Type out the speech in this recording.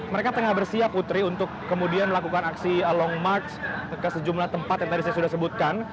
mereka tengah bersiap putri untuk kemudian melakukan aksi long march ke sejumlah tempat yang tadi saya sudah sebutkan